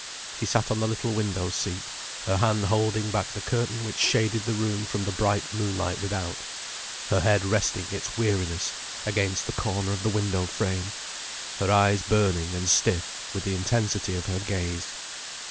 She sat on the little window seat, her hand holding back the curtain which shaded the room from the bright moonlight without; her head resting its weariness against the corner of the window frame; her eyes burning and stiff with the intensity of her gaze.